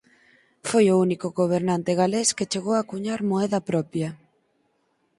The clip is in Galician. Foi o único gobernante galés que chegou a cuñar moeda propia.